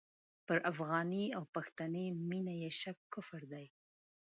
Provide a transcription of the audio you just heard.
پر افغاني او پښتني مینه یې شک کفر دی.